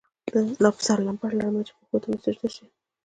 لا پر سر لمبه لرمه چي مي پښو ته پر سجده سي